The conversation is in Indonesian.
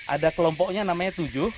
ada kelompoknya namanya tujuh